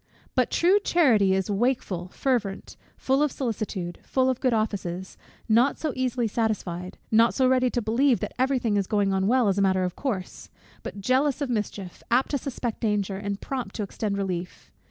But true charity is wakeful, fervent, full of solicitude, full of good offices, not so easily satisfied, not so ready to believe that every thing is going on well as a matter of course; but jealous of mischief, apt to suspect danger, and prompt to extend relief.